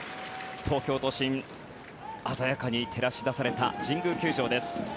東京都心鮮やかに照らし出された神宮球場です。